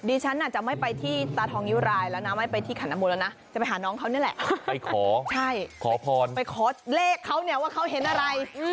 ดิฉันอาจจะไม่ไปที่ตราทองนิ้วลายแล้วนะไม่ไปที่ขันน้ำมนต์แล้วนะ